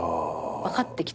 分かってきた？